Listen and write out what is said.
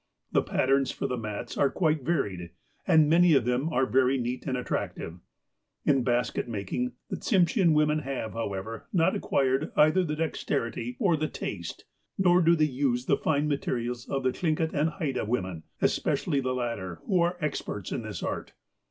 The patterns for the mats are quite varied, and many of them are very neat and attractive. In basket making, the Tsimshean women have, how ever, not acquired either the dexterity or the taste, nor do they use the fine materials of the Thlingit and Haida women, especially the latter, who are experts in this art.